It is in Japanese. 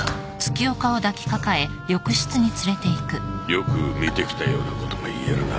よく見てきたようなことが言えるな。